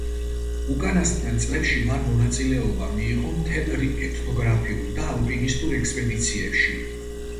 უკანასკნელ წლებში მან მონაწილეობა მიიღო მთელ რიგ ეთნოგრაფიულ და ალპინისტურ ექსპედიციებში.